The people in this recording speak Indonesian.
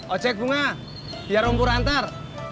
ojek bunga biar umpur antar